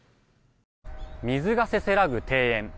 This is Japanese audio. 水がせせらぐ庭園。